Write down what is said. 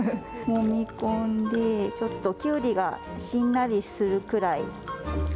もみ込んで、ちょっときゅうりがしんなりするくらい。